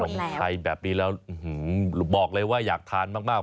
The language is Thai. คนไทยแบบนี้แล้วบอกเลยว่าอยากทานมาก